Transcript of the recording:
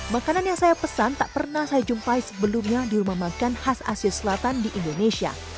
makanan yang saya pesan tak pernah saya jumpai sebelumnya di rumah makan khas asia selatan di indonesia